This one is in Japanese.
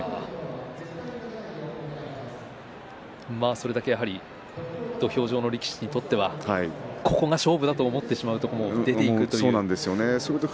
それだけ土俵上の力士にとってはここが勝負だと思ってしまうところに思ったところで出ていく。